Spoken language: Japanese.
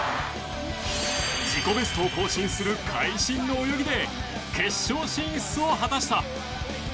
自己ベストを更新する会心の泳ぎで決勝進出を果たした。